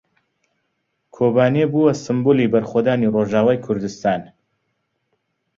کۆبانێ بووە سمبولی بەرخۆدانی ڕۆژاوای کوردستان.